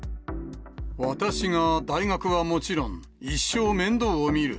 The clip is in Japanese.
私が大学はもちろん、一生面倒を見る。